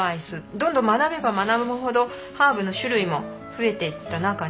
どんどん学べば学ぶほどハーブの種類も増えていった中で。